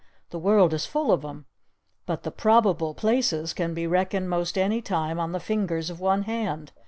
The world is full of 'em! But the Probable Places can be reckoned most any time on the fingers of one hand!